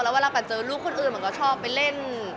แล้วเวลาแบบเจอลูกคนอื่นมันก็ชอบไปเล่น